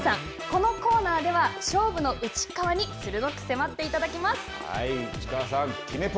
このコーナーでは、勝負のうちっかわに鋭く迫っていただきます。